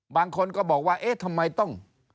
บางคนก็บอกว่าเอ๊ะทำไมต้อง